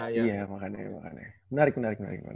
iya makanya menarik menarik menarik